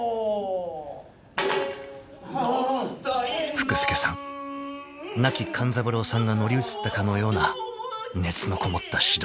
［福助さん亡き勘三郎さんが乗り移ったかのような熱のこもった指導］